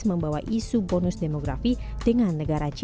membawa isu bonus demografi dengan negara g dua puluh